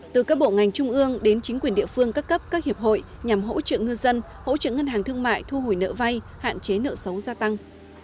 từ các bộ ngành trung ương đến chính quyền địa phương các cấp các hiệp hội nhằm hỗ trợ ngư dân hỗ trợ ngân hàng thương mại thu hủy nợ vay hạn chế nợ xấu gia tăng